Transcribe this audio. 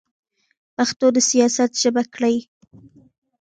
پښتو د سیاست ژبه کړئ.